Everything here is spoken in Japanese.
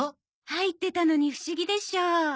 入ってたのに不思議でしょう。